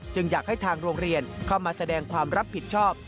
อยากให้ทางโรงเรียนเข้ามาแสดงความรับผิดชอบ